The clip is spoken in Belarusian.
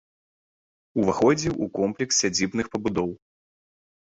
Уваходзіў у комплекс сядзібных пабудоў.